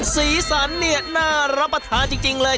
สีสันเนี่ยน่ารับประทานจริงเลย